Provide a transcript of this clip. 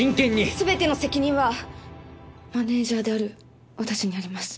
すべての責任はマネージャーである私にあります。